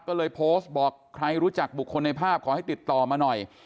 ก็เลยโพสต์บอกใครรู้จักบุคคลในภาพขอให้ติดต่อมาหน่อย